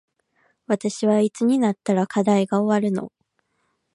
私はいつになったら課題が終わるの